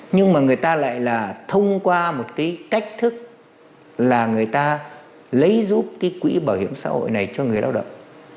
nhưng mà người ta lại là thông qua một cái cách thức là người ta lấy giúp cái quỹ bảo hiểm xã hội này cho người lao động